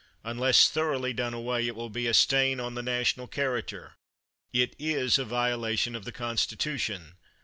Un less thoroughly done away, it will be a stain on the national character. It is a violation of the Constitution.